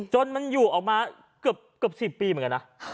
จนมันอยู่ออกมาเกือบ๑๐ปีเหมือนกันนะ